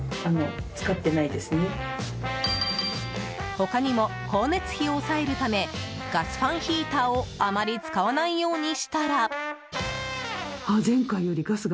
他にも光熱費を抑えるためガスファンヒーターをあまり使わないようにしたら。